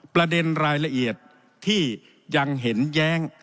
ประเด็นรายละเอียดที่ยังเห็นแย้ง